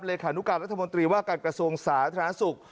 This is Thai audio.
เลยคานุกาลรัฐมนตรีว่ากันกระทรวงศาสตร์ธนาศุกร์